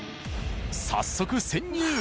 早速潜入！